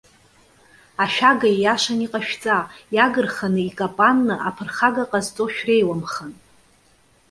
Ашәага ииашаны иҟашәҵа, иагырханы икапанны, аԥырхага ҟазҵо шәреиуамхан.